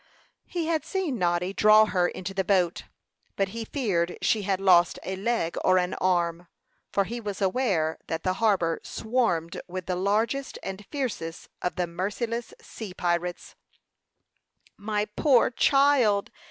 He had seen Noddy draw her into the boat, but he feared she had lost a leg or an arm, for he was aware that the harbor swarmed with the largest and fiercest of the merciless "sea pirates." "My poor child!"